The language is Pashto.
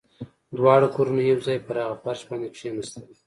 دواړه کورنۍ يو ځای پر هغه فرش باندې کښېناستلې.